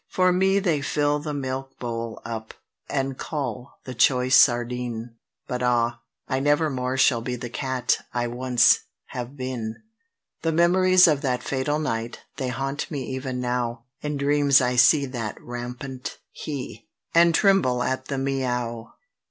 For me they fill the milkbowl up, and cull the choice sardine: But ah! I nevermore shall be the cat I once have been! The memories of that fatal night they haunt me even now: In dreams I see that rampant He, and tremble at that Miaow.